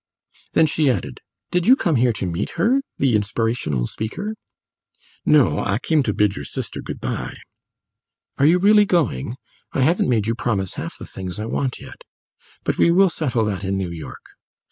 Then she added: "Did you come here to meet her the inspirational speaker?" "No; I came to bid your sister good bye." "Are you really going? I haven't made you promise half the things I want yet. But we will settle that in New York.